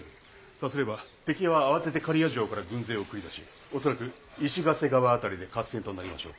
さすれば敵は慌てて刈谷城から軍勢を繰り出し恐らく石ヶ瀬川辺りで合戦となりましょう。